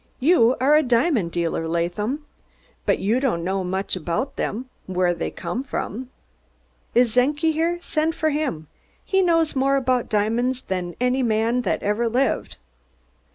"You are a diamond dealer, Laadham, bud you don'd know much aboud dem from whey dey come at. Iss Czenki here? Send for him. He knows more aboud diamonds as any man vat ever lived."